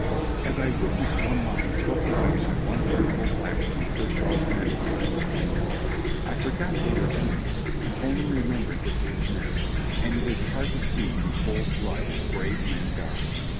As I witnessed one line swept away by one fearful blast from Kershaw's men behind the stone wall, I forgot they were enemies and only remembered that they were men, and it is hard to see in cold blood brave men die.